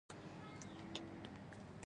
پۀ ما پورې پیشاړې نۀ کے ،